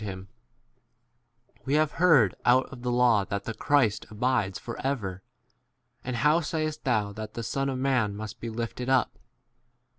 ed him, We " have heard out of the law that the Christ abides for ever, and how sayest thou' that the Son of man must be lifted up